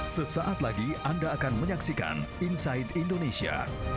sesaat lagi anda akan menyaksikan inside indonesia